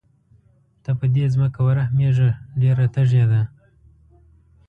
ته په دې ځمکه ورحمېږه ډېره تږې ده.